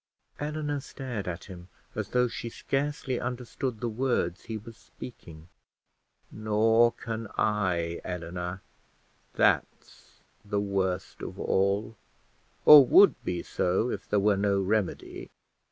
Eleanor stared at him, as though she scarcely understood the words he was speaking. "Nor can I, Eleanor: that's the worst of all, or would be so if there were no remedy.